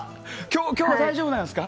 今日、大丈夫なんですか？